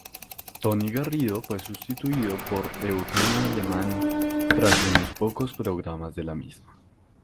Toni Garrido fue sustituido por Eugeni Alemany tras unos pocos programas de la misma.